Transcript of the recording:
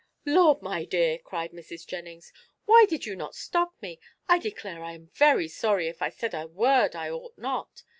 "Lord, my dear," cried Mrs. Jennings, "why did you not stop me? I declare I am very sorry if I said a word I ought not.